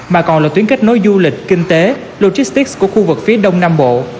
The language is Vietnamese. mà còn là tuyến kết nối du lịch kinh tế logistics của khu vực phía đông nam bộ